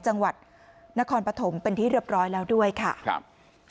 จังหวัดนครปฐมเป็นที่เรียบร้อยแล้วด้วยค่ะครับ